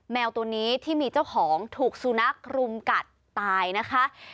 แมวตัวนี้ที่มีเจ้าของถูกสุนัขรุมกัดตายนะคะ